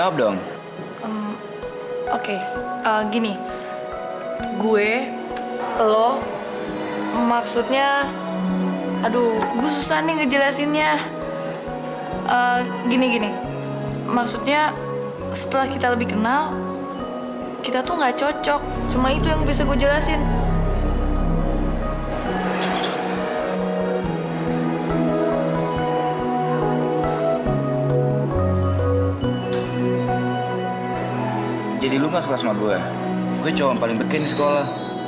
biar banget lagi siapa yang sengaja numpainnya